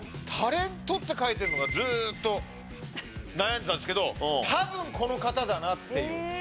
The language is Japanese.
「タレント」って書いてるのがずーっと悩んでたんですけど多分この方だなっていう。